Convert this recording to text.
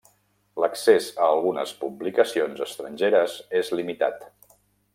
L'accés a algunes publicacions estrangeres és limitat.